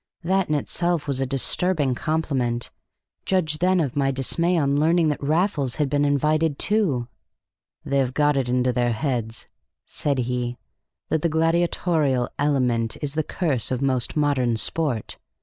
That in itself was a disturbing compliment: judge then of my dismay on learning that Raffles had been invited too! "They have got it into their heads," said he, "that the gladiatorial element is the curse of most modern sport.